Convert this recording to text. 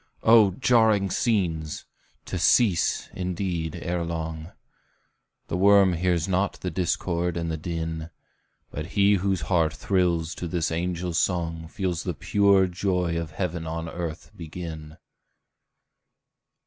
Oh, jarring scenes! to cease, indeed, ere long; The worm hears not the discord and the din; But he whose heart thrills to this angel song, Feels the pure joy of heaven on earth begin!